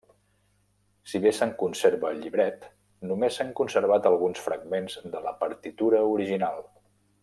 Si bé se'n conserva el llibret, només s'han conservat alguns fragments de la partitura original.